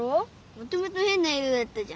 もともとへんな色だったじゃん。